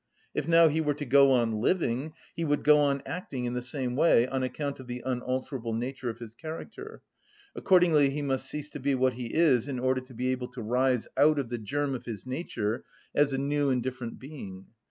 If now he were to go on living, he would go on acting in the same way, on account of the unalterable nature of his character. Accordingly he must cease to be what he is in order to be able to arise out of the germ of his nature as a new and different being.